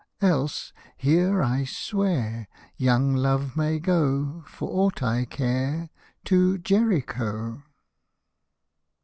Else, here I swear. Young Love may go, For aught I care — To Jericho.